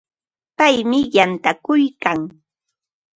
Paymi yantakuykan.